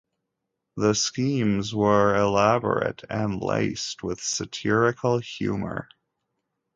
The schemes were elaborate and laced with satirical humor.